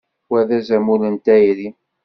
Wa d azamul n tayri.